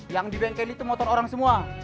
yang di bengkel itu motor orang semua